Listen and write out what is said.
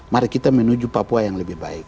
mari kita menuju papua yang lebih baik